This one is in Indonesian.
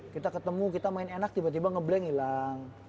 kita ketemu kita main enak tiba tiba ngebleng hilang